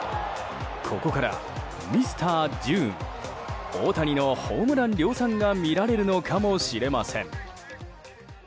ここからミスター・ジューン大谷のホームラン量産が見られるのかもしれません。